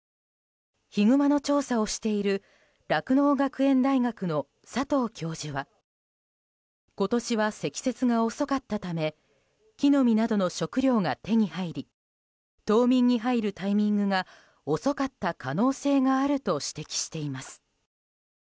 ヒグマの調査をしている酪農学園大学の佐藤教授は今年は積雪が遅かったため木の実などの食料が手に入り冬眠に入るタイミングが遅かった可能性があると指摘しています。